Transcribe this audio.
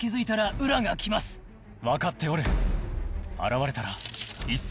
分かっておる。